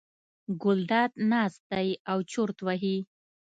ګلداد ناست دی او چورت وهي.